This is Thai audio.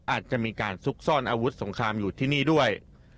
อาจจะมีการซุกซ่อนอาวุธสงครามอยู่ที่นี่ด้วย